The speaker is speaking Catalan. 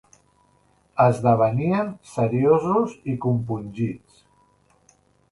Esdeveníem seriosos i compungits